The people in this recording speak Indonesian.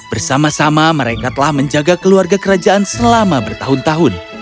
bersama sama mereka telah menjaga keluarga kerajaan selama bertahun tahun